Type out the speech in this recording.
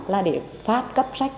là để phát cấp sách